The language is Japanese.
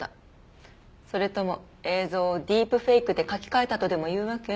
それとも映像をディープフェイクで書き換えたとでも言うわけ？